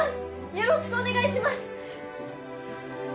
よろしくお願いします！